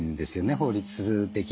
法律的にも。